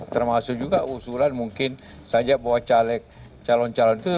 termasuk juga usulan mungkin saja bahwa caleg calon calon itu